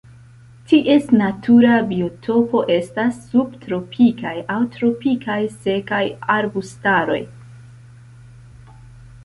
Ties natura biotopo estas subtropikaj aŭ tropikaj sekaj arbustaroj.